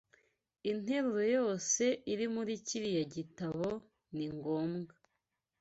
Interuro yose iri muri kiriya gitabo ni ngombwa.